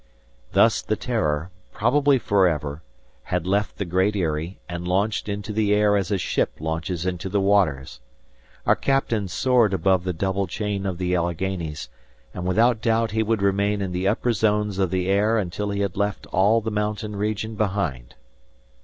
Thus the "Terror," probably forever, had left the Great Eyrie, and launched into the air as a ship launches into the waters. Our captain soared above the double chain of the Alleghanies, and without doubt he would remain in the upper zones of the air until he had left all the mountain region behind.